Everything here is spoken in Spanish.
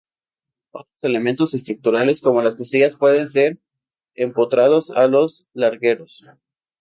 Otros elementos estructurales como las costillas pueden ser empotrados a los largueros.